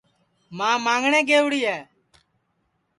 ماں ماںٚگٹؔے گئوڑی ہے